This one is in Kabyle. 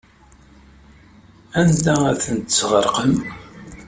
Anda ay tent-tesɣerqem?